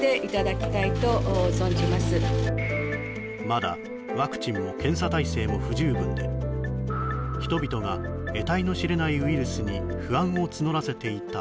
まだワクチンも検査体制も不十分で人々がえたいの知れないウイルスに不安を募らせていた